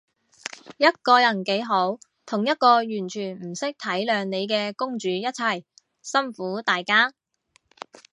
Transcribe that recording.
一個人幾好，同一個完全唔識體諒你嘅公主一齊，辛苦大家